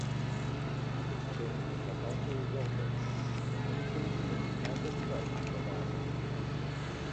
This change has also resulted in increase in average price per bottle.